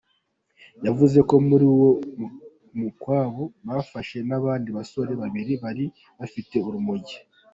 Yavuze ko muri uwo mukwabu bafashe n’abandi basore babiri bari bafite urumogi.